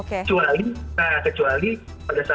kemarin pada saat lagi down pasti berkurang